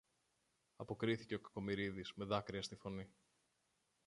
αποκρίθηκε ο Κακομοιρίδης με δάκρυα στη φωνή.